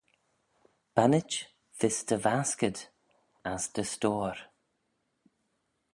Bannit vees dty vaskad, as dty stoyr.